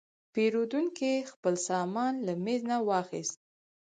پیرودونکی خپل سامان له میز نه واخیست.